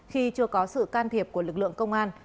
khi chưa có sự can thiệp của lực lượng công an